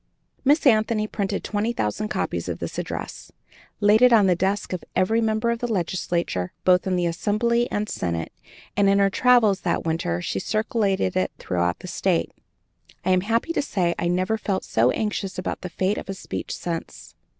Miss Anthony printed twenty thousand copies of this address, laid it on the desk of every member of the legislature, both in the Assembly and Senate, and, in her travels that winter, she circulated it throughout the State. I am happy to say I never felt so anxious about the fate of a speech since.